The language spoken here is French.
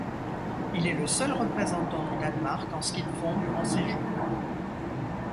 Il est le seul représentant du Danemark en ski de fond durant ces Jeux.